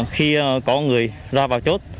khi có người ra vào chốt